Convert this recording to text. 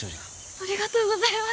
ありがとうございます。